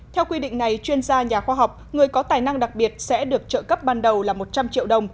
theo quy định này chuyên gia nhà khoa học người có tài năng đặc biệt sẽ được trợ cấp ban đầu là một trăm linh triệu đồng